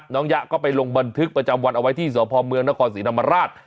ยะก็ไปลงบันทึกประจำวันเอาไว้ที่สพเมืองนครศรีธรรมราช